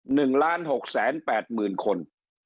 หนึ่งล้านหกแสนแปดหมื่นคน